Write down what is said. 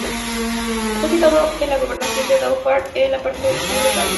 Está situado en la gobernación de Dhofar, en la parte sur del país.